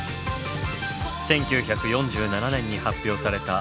１９４７年に発表された手